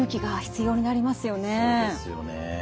そうですよね。